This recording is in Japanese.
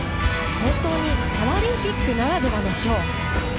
本当にパラリンピックならではのショー。